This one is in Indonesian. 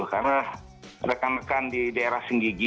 karena rekan rekan di daerah senggigi